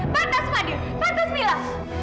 pantas fadil pantas mila